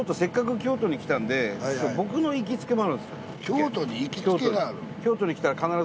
京都に行きつけがある？